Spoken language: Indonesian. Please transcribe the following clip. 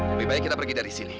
lebih baik kita pergi dari sini